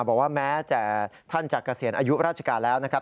บอกว่าแม้จะท่านจะเกษียณอายุราชกาลแล้วนะครับ